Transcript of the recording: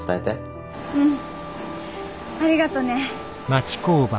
うん。ありがとね。